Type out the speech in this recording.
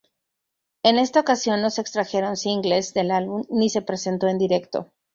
En esta ocasión, no se extrajeron singles del álbum ni se presentó en directo.